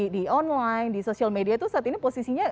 di online di social media itu saat ini posisinya